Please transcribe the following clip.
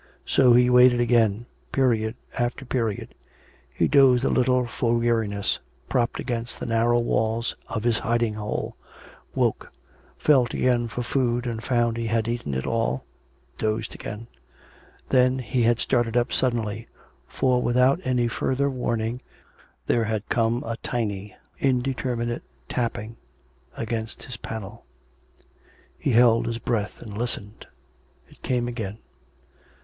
So he waited again — period after period ; he dozed a little for :weariness, propped against the narrow walls of his hiding 400 COME RACK! COME ROPE! hole; woke; felt again for food and found he had eaten it all ... dozed again. Then he had started up suddenly, for without any further warning there had come a tiny indeterminate tapping against his panel. He held his breath and listened. It came again.